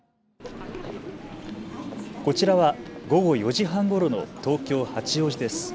こちらは午後４時半ごろの東京八王子です。